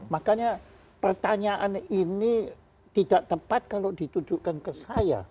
makanya pertanyaan ini tidak tepat kalau ditujukan ke saya